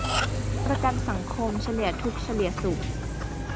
ประกันสังคม เฉลี่ยทุกข์เฉลี่ยสุข